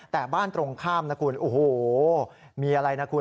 แต่บ้านตรงข้ามนะคุณโอ้โหมีอะไรนะคุณ